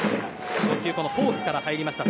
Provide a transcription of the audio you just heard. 初球はフォークから入りました。